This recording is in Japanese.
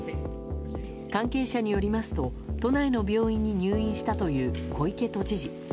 関係者によりますと都内の病院に入院したという小池都知事。